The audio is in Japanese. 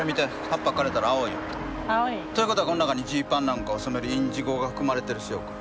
葉っぱ枯れたら青いんや。という事はこの中にジーパンなんかを染めるインジゴが含まれてる証拠。